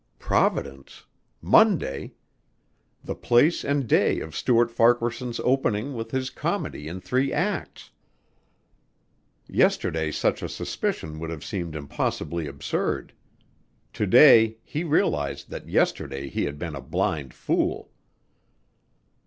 Providence! Monday! The place and day of Stuart Farquaharson's opening with his comedy in three acts. Yesterday such a suspicion would have seemed impossibly absurd. To day he realized that yesterday he had been a blind fool.